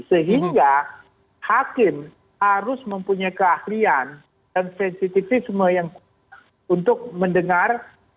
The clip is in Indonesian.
sehingga hakim harus mempunyai keahlian dan sensitivisme yang untuk mendengar